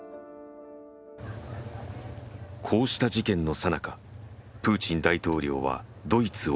こうした事件のさなかプーチン大統領はドイツを訪問。